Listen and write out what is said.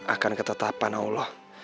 akan ketetapan allah